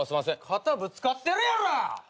肩ぶつかってるやろ！